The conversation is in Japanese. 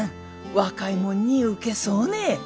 若いもんにウケそうね？